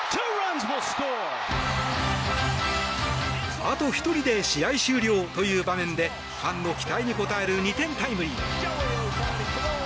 あと１人で試合終了という場面でファンの期待に応える２点タイムリー。